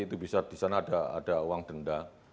itu bisa disana ada uang denda